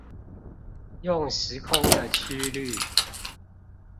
用時空的曲率